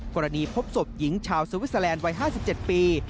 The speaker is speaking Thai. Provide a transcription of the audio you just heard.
กรณีพบศพหญิงชาวเซวิสเซอแลนด์วัย๕๗ปี